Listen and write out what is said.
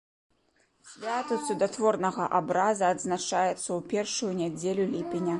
Свята цудатворнага абраза адзначаецца ў першую нядзелю ліпеня.